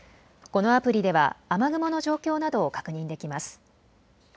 このアプリでは雨雲の状況などを確認できます。